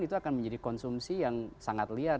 itu akan menjadi konsumsi yang sangat liar